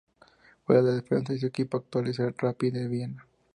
Juega de defensa y su equipo actual es el Rapid de Viena.